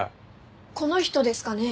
この人ですかね？